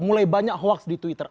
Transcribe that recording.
mulai banyak hoax di twitter